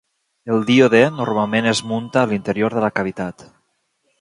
El díode normalment es munta a l'interior de la cavitat.